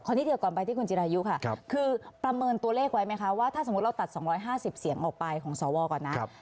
นิดเดียวก่อนไปที่คุณจิรายุค่ะคือประเมินตัวเลขไว้ไหมคะว่าถ้าสมมุติเราตัด๒๕๐เสียงออกไปของสวก่อนนะ